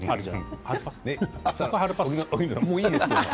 もういいですよ。